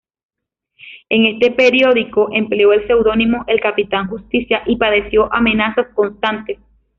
En este periódico empleó el seudónimo "El Capitán Justicia" y padeció amenazas constantes.